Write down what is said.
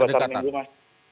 ya di pasar minggu mas